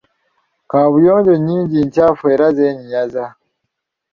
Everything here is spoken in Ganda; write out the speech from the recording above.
Kaabuyonjo nnyingi nkyafu era zeenyinyaza.